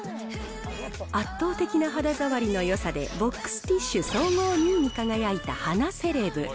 圧倒的な肌触りのよさで、ボックスティッシュ総合２位に輝いた鼻セレブ。